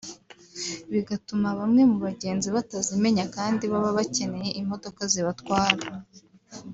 bigatuma bamwe mu bagenzi batazimenya kandi baba bakeneye imodoka zibatwara